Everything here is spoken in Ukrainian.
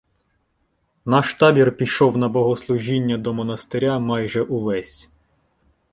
Наш табір пішов на Богослужіння до монастиря майже увесь.